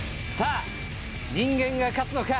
人間が勝つのか？